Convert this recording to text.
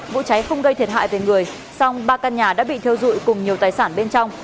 vụ cháy không gây thiệt hại về người song ba căn nhà đã bị thiêu dụi cùng nhiều tài sản bên trong